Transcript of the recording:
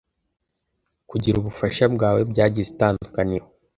Kugira ubufasha bwawe byagize itandukaniro.